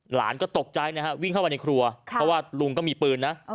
หลานก็ตกใจนะฮะวิ่งเข้าไปในครัวเพราะว่าลุงก็มีปืนนะ